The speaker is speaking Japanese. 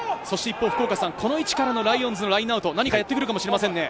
この位置からのライオンズのラインアウト、何かやってくるかもしれませんね。